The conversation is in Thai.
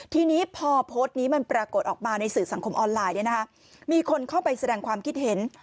ทีนี้พอโพสต์นี้มันปรากฏออกมาในสื่อสังคมออนไลน์มีคนเข้าไปแสดงความคิดเห็น